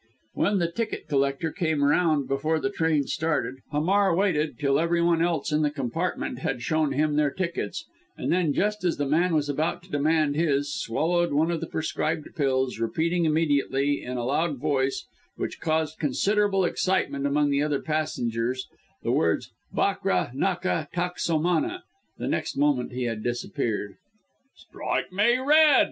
When the ticket collector came round before the train started, Hamar waited, till every one else in the compartment had shown him their tickets, and then, just as the man was about to demand his, swallowed one of the prescribed pills, repeating immediately, in a loud voice, which caused considerable excitement among the other passengers, the words, "Bakra naka taksomana!" The next moment he had disappeared. "Strike me red!"